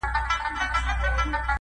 یوه د وصل شپه وي په قسمت را رسېدلې٫